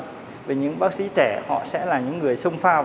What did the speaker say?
bởi vì những bác sĩ trẻ họ sẽ là những người sông phao